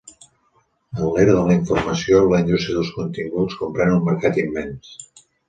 En l'era de la informació, la indústria dels continguts comprèn un mercat immens.